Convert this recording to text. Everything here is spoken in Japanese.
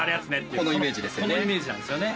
このイメージなんですよね。